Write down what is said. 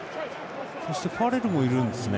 ファレルもいるんですね。